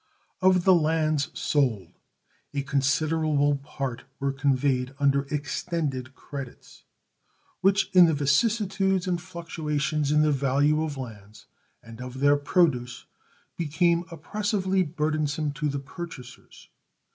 Of the lands sold, a considerable part were conveyed under extended credits, which in the vicissitudes and fluctuations in the value of lands and of their produce became oppressively burdensome to the purchasers.